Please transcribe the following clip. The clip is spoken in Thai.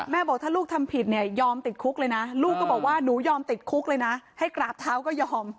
บอกถ้าลูกทำผิดเนี่ยยอมติดคุกเลยนะลูกก็บอกว่าหนูยอมติดคุกเลยนะให้กราบเท้าก็ยอม